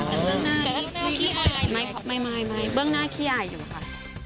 เบื้องหน้าขี้อายไม่ไม่ไม่ไม่เบื้องหน้าขี้อายอยู่ค่ะ